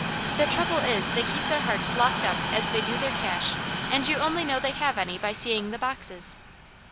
The trouble is they keep their hearts locked up as they do their cash, and you only know they have any by seeing the boxes."